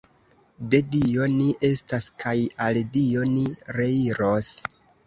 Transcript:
De Dio ni estas, kaj al Dio ni reiros.